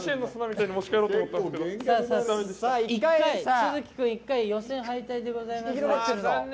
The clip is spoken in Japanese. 都築君、１回予選敗退でございます。